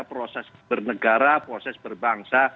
proses bernegara proses berbangsa